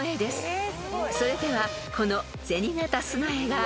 ［それではこの］